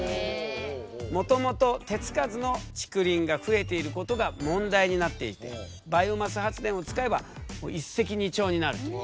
もともと手付かずの竹林が増えていることが問題になっていてバイオマス発電を使えばもう一石二鳥になるという。